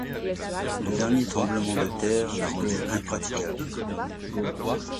Le dernier tremblement de terre l’a rendue impraticable…